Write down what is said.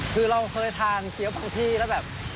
คือเราเคยทานเกี้ยวบางที่แล้วแบบ